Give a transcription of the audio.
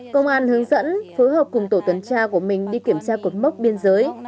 công an hướng dẫn phối hợp cùng tổ tuần tra của mình đi kiểm tra cột mốc biên giới